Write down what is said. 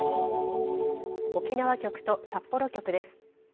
沖縄局と札幌局です。